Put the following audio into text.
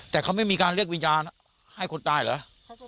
แต่เขาไม่มีการเรียกวิญญาณให้คนตายเหรอ